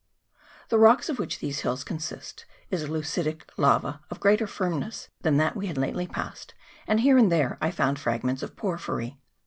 The rocks of which these hills consist is a leu citic lava of greater firmness than that we had lately passed, and here and there I found fragments of porphyry.